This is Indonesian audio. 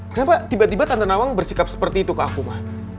kenapa tiba tiba tante nawang bersikap seperti itu ke aku mah